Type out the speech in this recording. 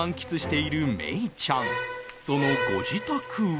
そのご自宅は。